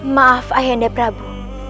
maaf ayande prabu